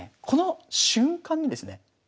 この瞬間にですね